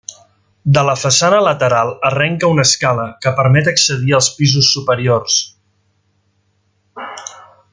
De la façana lateral arrenca una escala que permet accedir als pisos superiors.